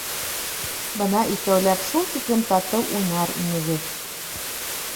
Бына икәүләп шул тиклем татыу уйнар инегеҙ.